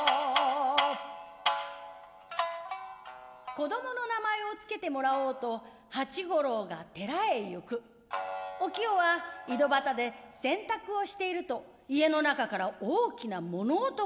子供の名前を付けてもらおうと八五郎が寺へ行くお清は井戸端で洗濯をしていると家の中から大きな物音が聞こえて来た。